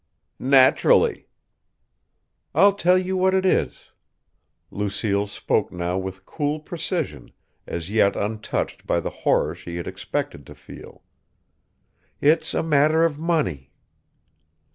"Naturally." "I'll tell you what it is." Lucille spoke now with cool precision, as yet untouched by the horror she had expected to feel. "It's a matter of money."